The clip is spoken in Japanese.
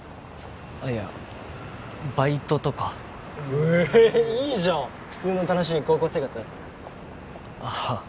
あっいやバイトとかえいいじゃん普通の楽しい高校生活ああ